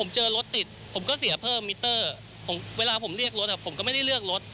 ผมเจอรถติดผมก็เสียเพิ่มมิเตอร์เวลาผมเรียกรถผมก็ไม่ได้เลือกรถ